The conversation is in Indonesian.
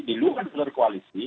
di luar jalur koalisi